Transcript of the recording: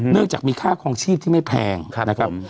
เนื่องจากมีค่าคลองชีพที่ไม่แพงนะครับ